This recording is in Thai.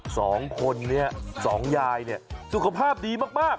สองคนนี้สองยายเนี่ยสุขภาพดีมาก